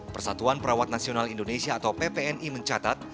persatuan perawat nasional indonesia atau ppni mencatat